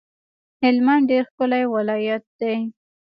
هلمند ډیر ښکلی ولایت دی